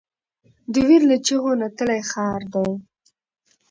د ویر له چیغو نتلی ښار دی